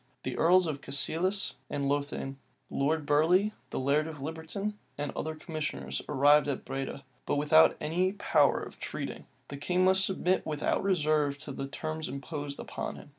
The earls of Cassilis and Lothian, Lord Burley, the laird of Liberton, and other commissioners, arrived at Breda; but without any power of treating: the king must submit without reserve to the terms imposed upon him.